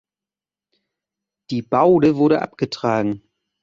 Die Baude wurde abgetragen.